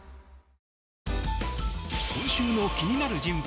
今週の気になる人物